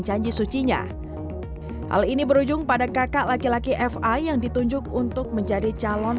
janji sucinya hal ini berujung pada kakak laki laki fa yang ditunjuk untuk menjadi calon